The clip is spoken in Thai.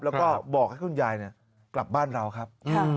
แล้วก็บอกให้คุณยายกลับบ้านเราครับ